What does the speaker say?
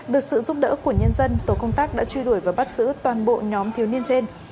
được sự giúp đỡ của nhân dân tổ công tác đã truy đuổi và bắt giữ toàn bộ nhóm thiếu niên trên